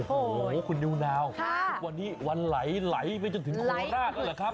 โอ้โหคุณดิวนาววันไหลไปจนถึงครอดได้มั้ยครับ